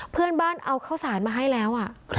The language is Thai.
เพื่อนบ้านเอาข้าวสารมาให้แล้ว